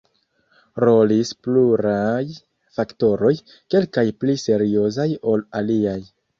Rolis pluraj faktoroj, kelkaj pli seriozaj ol aliaj.